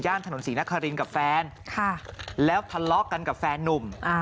ย่านถนนศรีนักษรินกับแฟนแล้วทะเลาะกันกับแฟนนุ่มครับ